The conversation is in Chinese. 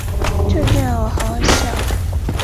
尖叶厚壳桂为樟科厚壳桂属下的一个种。